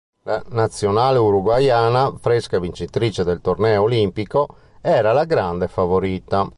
La nazionale uruguaiana, fresca vincitrice del torneo olimpico, era la grande favorita.